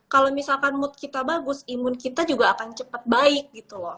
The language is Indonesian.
kalau misalkan mood kita bagus imun kita juga akan cepat baik gitu loh